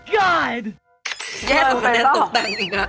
แย่ตกแต่งจริงนะ